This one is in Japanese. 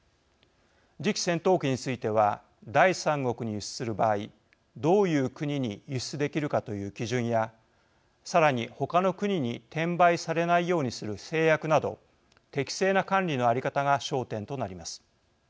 次期戦闘機については第三国に輸出する場合どういう国に輸出できるかという基準やさらにほかの国に転売されないようにする誓約など適正な管理の在り方が焦点となります。